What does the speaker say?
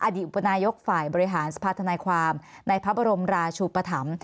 อุปนายกฝ่ายบริหารสภาธนายความในพระบรมราชุปธรรม